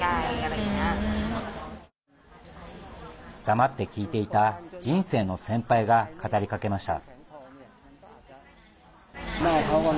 黙って聞いていた人生の先輩が語りかけました。